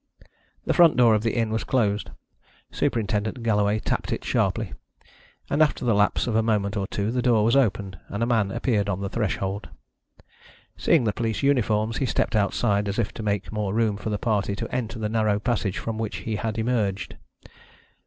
The front door of the inn was closed. Superintendent Galloway tapped at it sharply, and after the lapse of a moment or two the door was opened, and a man appeared on the threshold. Seeing the police uniforms he stepped outside as if to make more room for the party to enter the narrow passage from which he had emerged.